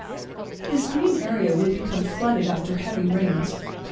This green area would become flooded after heavy rains.